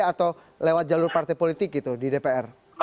atau lewat jalur partai politik gitu di dpr